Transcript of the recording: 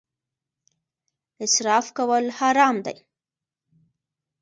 اسراف کول حرام دي